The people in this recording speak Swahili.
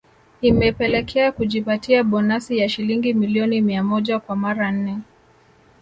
Imepelekea kujipatia bonasi ya shilingi milioni mia moja kwa mara nne